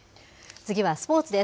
次はスポーツです。